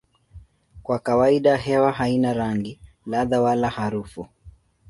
Kwa kawaida hewa haina rangi, ladha wala harufu.